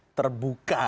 dosa terbuka maksudnya